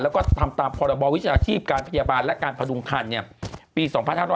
แล้วก็ทำตามพรบวิชาชีพการพยาบาลและการพดุงคันปี๒๕๕๙